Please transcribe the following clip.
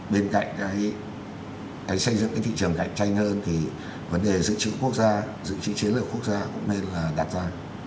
bên cạnh cái xây dựng cái thị trường cạnh tranh hơn thì vấn đề giữ chữ quốc gia giữ chữ chế lực quốc gia cũng nên là đặt ra